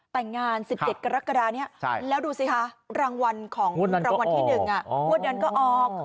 แต่งงาน๑๗กรกฎานี้แล้วดูสิคะรางวัลของรางวัลที่๑งวดนั้นก็ออก